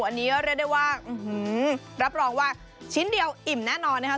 อันนี้เรียกได้ว่ารับรองว่าชิ้นเดียวอิ่มแน่นอนนะครับ